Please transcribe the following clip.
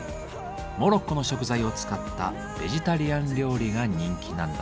モロッコの食材を使ったベジタリアン料理が人気なんだとか。